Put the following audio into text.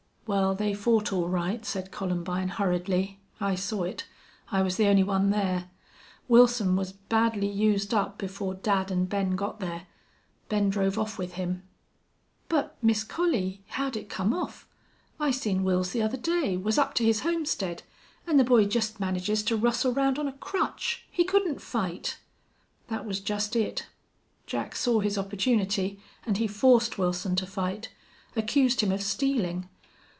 "Well, they fought, all right," said Columbine, hurriedly. "I saw it. I was the only one there. Wilson was badly used up before dad and Ben got there. Ben drove off with him." "But, Miss Collie, how'd it come off? I seen Wils the other day. Was up to his homestead. An' the boy jest manages to rustle round on a crutch. He couldn't fight." "That was just it. Jack saw his opportunity, and he forced Wilson to fight accused him of stealing.